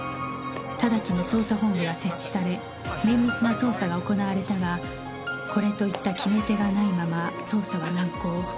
ただちに捜査本部が設置され綿密な捜査が行われたがこれといった決め手がないまま捜査は難航